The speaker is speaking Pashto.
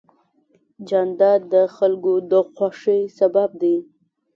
جانداد د خلکو د خوښۍ سبب دی.